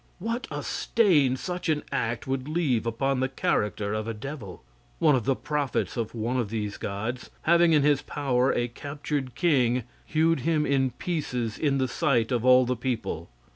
What a stain such an act would leave upon the character of a devil! One of the prophets of one of these gods, having in his power a captured king, hewed him in pieces in the sight of all the people.